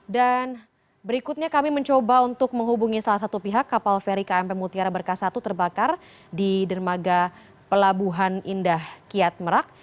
dan berikutnya kami mencoba untuk menghubungi salah satu pihak kapal feri kmp mutiara berkah satu terbakar di dermaga pelabuhan indahkiat merak